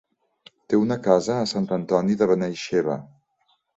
Té una casa a Sant Antoni de Benaixeve.